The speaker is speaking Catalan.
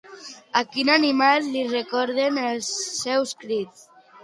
A quin animal li recorden els seus crits?